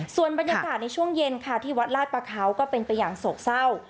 ส่วนบรรยากาศในช่วงเย็นค่ะที่วัดลาดประเขาก็เป็นไปอย่างโศกเศร้า